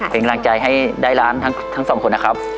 เป็นกำลังใจให้ได้ล้านทั้งสองคนนะครับ